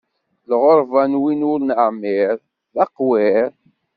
Lɣeṛba n win ur neɛmiṛ, d aqwiṛ.